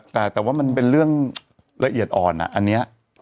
แต่ว่ามันเป็นเรื่องละเอียดอ่อนอันนี้